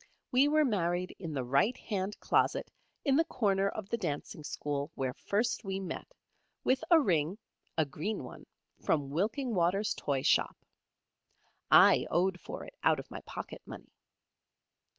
We were married in the right hand closet in the corner of the dancing school where first we met, with a ring (a green one) from Wilkingwater's toy shop. I owed for it out of my pocket money.